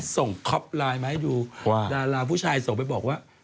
คอปไลน์มาให้ดูว่าดาราผู้ชายส่งไปบอกว่า